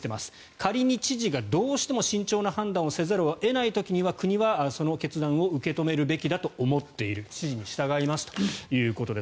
仮に知事がどうしても慎重な判断をせざるを得ない時には国はその決断を受け止めるべきだと思っている指示に従いますということです。